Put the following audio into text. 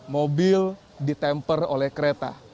mobil ditemper oleh kereta